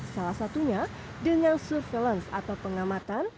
salah satunya dengan surveillance atau pengamatan